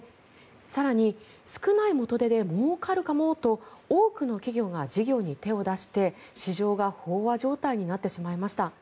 更に、少ない元手でもうかるかもと多くの企業が事業に手を出して市場が飽和状態になってしまいました。